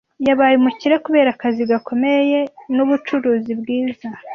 Yabaye umukire kubera akazi gakomeye nubucuruzi bwiza.